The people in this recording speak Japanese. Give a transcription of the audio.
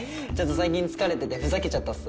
最近疲れててふざけちゃったっす